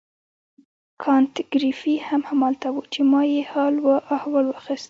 کانت ګریفي هم همالته وو چې ما یې حال و احوال واخیست.